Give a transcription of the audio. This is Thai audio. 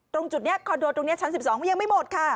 ตรงจุดนี้คอนโดชั้น๑๒ยังไม่หมด